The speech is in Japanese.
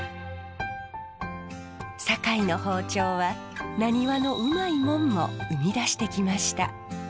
堺の包丁はなにわのうまいもんも生み出してきました。